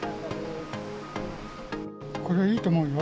これはいいと思うよ。